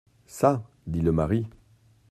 Ça ! dit le mari.